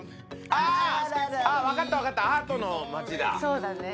ああ分かった分かったアートの街だそうだね